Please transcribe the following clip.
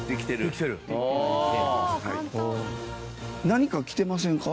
何かきてませんか？